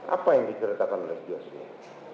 apa yang diceritakan oleh joshua